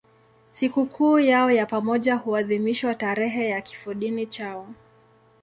Sikukuu yao ya pamoja huadhimishwa tarehe ya kifodini chao.